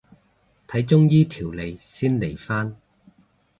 睇中醫調理先嚟返